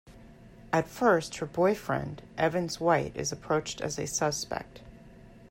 At first, her boyfriend, Evans White is approached as a suspect.